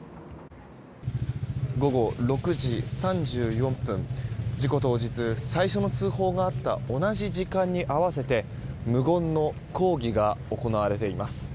午後６時３４分事故当日最初の通報があった同じ時間に合わせて無言の抗議が行われています。